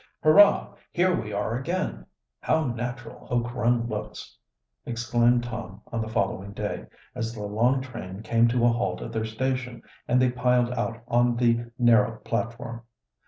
"Hurrah! Here we are again! How natural Oak Run looks!" exclaimed Tom on the following day, as the long train came to a halt at their station and they piled out on to the narrow platform.